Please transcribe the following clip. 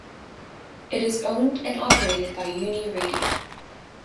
It is owned and operated by Uniradio.